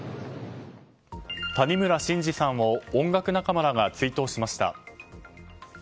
谷村新司さんを音楽仲間らが追悼しました。